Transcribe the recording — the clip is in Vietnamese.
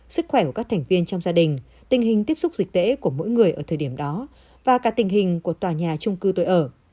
sức khỏe của các thành viên trong gia đình tình hình tiếp xúc dịch tễ của mỗi người ở thời điểm đó và cả tình hình của tòa nhà trung cư tôi ở